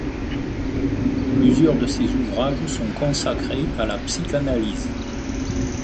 Plusieurs de ses ouvrages sont consacrés à la psychanalyse.